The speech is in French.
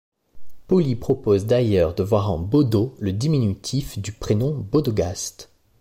Poly propose d’ailleurs de voir en Baudo le diminutif du prénom Baudogast.